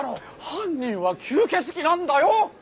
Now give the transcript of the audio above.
犯人は吸血鬼なんだよ！